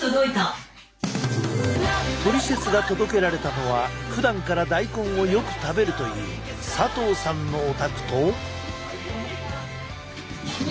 トリセツが届けられたのはふだんから大根をよく食べるという佐藤さんのお宅と。